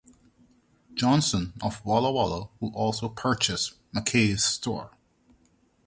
Johnson of Walla Walla who also purchased McKay's store.